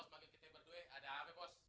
bos bagi kita berdua ada apa bos